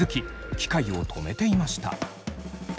機械を止めていました。